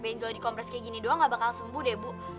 benzo dikompres kayak gini doang gak bakal sembuh deh bu